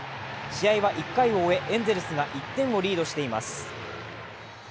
試合は１回を終え、エンゼルスが１点をリードしています。